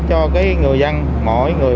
cho cái người dân mỗi người